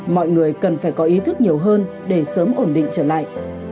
mọi người cần phải có ý thức nhiều hơn để sớm ổn định trở lại